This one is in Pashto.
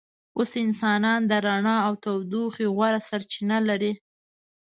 اوس انسانان د رڼا او تودوخې غوره سرچینه لري.